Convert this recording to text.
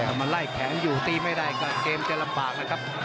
แต่แกล้งแขนอยู่ตีไม่ได้ก็จะลำบากนะครับ